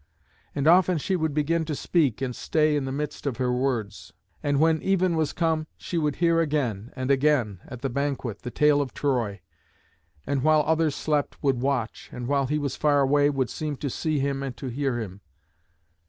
And often she would begin to speak and stay in the midst of her words. And when even was come, she would hear again and again at the banquet the tale of Troy, and while others slept would watch, and while he was far away would seem to see him and to hear him.